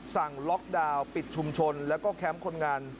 สั่งล็อกดาวน์ปิดชุมชนแล้วก็แคมป์คนงาน